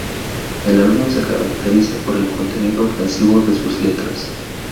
El álbum se caracteriza por el contenido ofensivo de sus letras.